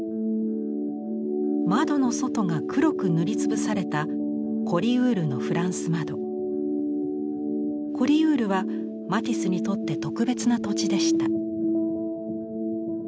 窓の外が黒く塗りつぶされたコリウールはマティスにとって特別な土地でした。